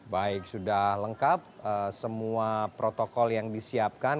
baik sudah lengkap semua protokol yang disiapkan